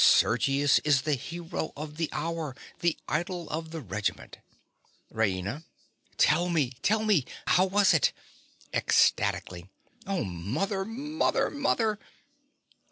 Sergius is the hero of the hour, the idol of the regiment. RAINA. Tell me, tell me. How was it! (Ecstatically) Oh, mother, mother, mother!